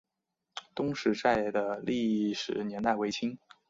东石寨的历史年代为清。